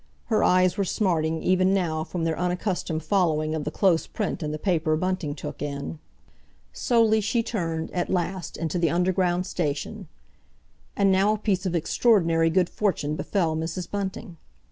Her eyes were smarting, even now, from their unaccustomed following of the close print in the paper Bunting took in. Slowly she turned, at last, into the Underground station. And now a piece of extraordinary good fortune befell Mrs. Bunting.